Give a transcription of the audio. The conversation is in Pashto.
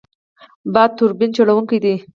باد توربین چلوونکی دی.